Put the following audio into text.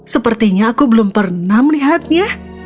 sepertinya aku belum pernah melihatnya